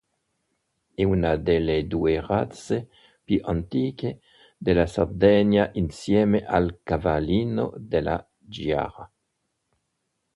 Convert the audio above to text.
È una delle due razze più antiche della Sardegna insieme al Cavallino della Giara.